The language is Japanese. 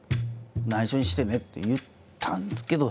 「ないしょにしてね」って言ったんですけど。